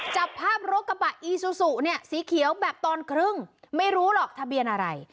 จับภาพรถกระบะอีซูซูเนี่ยสีเขียวแบบตอนครึ่งไม่รู้หรอกทะเบียนอะไร